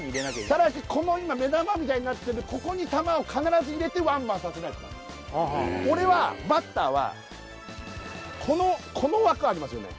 ただしこの目玉みたいになってるここに球を必ず入れてワンバンさせないとダメ俺はバッターはこの枠ありますよね